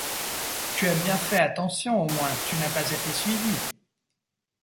Tu as bien fait attention, au moins, tu n’as pas été suivi ?